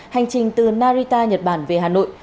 hành trình từ narita nhật bản về hà nội